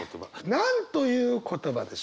何という言葉でしょう？